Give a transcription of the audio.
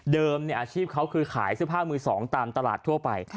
อาชีพเขาคือขายเสื้อผ้ามือสองตามตลาดทั่วไป